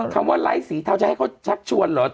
คำว่าไลค์สีเทาจะให้เขาชักชวนเหรอ